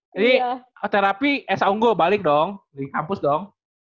jadi terapi s a unggul balik dong di kampus dong